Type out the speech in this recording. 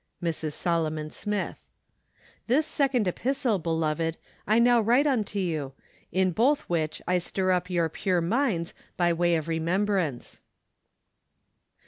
Mrs. Solomon Smith. " This second epistle , beloved, I now write unto , you; in both which I stir up your pure minds by way of remembrance